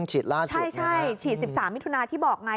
ใช่ฉีด๑๓มิถุนาที่บอกไง